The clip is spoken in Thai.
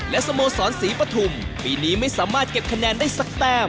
และสโมสรศรีปฐุมปีนี้ไม่สามารถเก็บคะแนนได้สักแต้ม